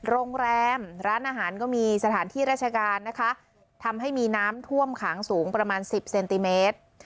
โรงแรมร้านอาหารก็มีสถานที่ราชการนะคะทำให้มีน้ำท่วมขังสูงประมาณ๑๐เซนติเมตร